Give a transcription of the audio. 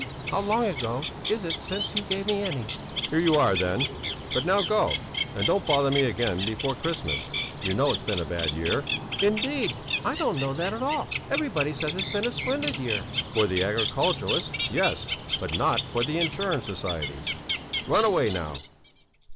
How long ago is it since you gave me any?" "Here you are, then! But now go, and don't bother me again before Christmas; you know it's been a bad year." "Indeed! I don't know that at all! Everybody says it's been a splendid year." "For the agriculturist yes, but not for the insurance societies. Run away now!"